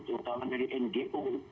utama dari ngo